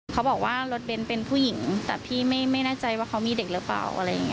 เขาบอกว่ารถเป็นผู้หญิงแต่พี่ไม่แน่ใจว่าเขามีเด็กหรือเปล่า